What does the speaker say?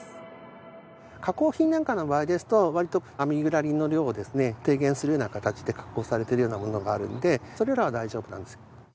加工品なんかの場合ですと割とアミグダリンの量をですね低減するような形で加工されているようなものがあるのでそれらは大丈夫なんです。